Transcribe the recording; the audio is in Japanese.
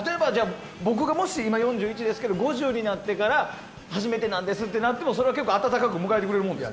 僕が今４１ですけど５０になって初めてなんですと言ってもそれは温かく迎えてくれるものですか？